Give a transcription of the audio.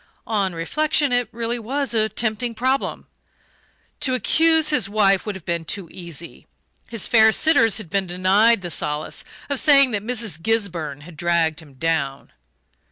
On reflection, it really was a tempting problem. To accuse his wife would have been too easy his fair sitters had been denied the solace of saying that Mrs. Gisburn had "dragged him down."